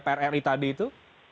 pri tadi itu